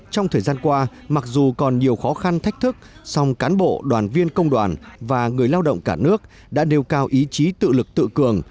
trong thời gian qua mặc dù còn nhiều khó khăn thách thức song cán bộ đoàn viên công đoàn và người lao động cả nước đã nêu cao ý chí tự lực tự cường